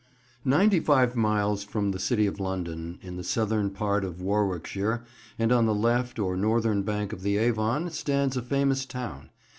NINETY FIVE miles from the City of London, in the southern part of Warwickshire, and on the left, or northern bank of the Avon, stands a famous town.